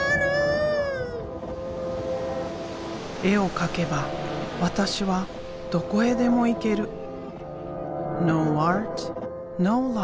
絵を描けば私はどこへでも行ける。